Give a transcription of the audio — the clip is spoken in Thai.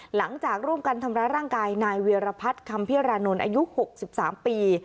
หลังจากร่วมกันทำร้ายร่างกายนายเวียรพัฒน์คำพิรานนท์อายุ๖๓ปี